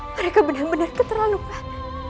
mereka benar benar keterlaluan